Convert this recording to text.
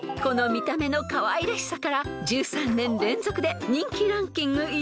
［この見た目のかわいらしさから１３年連続で人気ランキング